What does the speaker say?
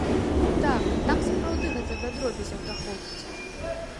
Так, там сапраўды гэта да дробязяў даходзіць.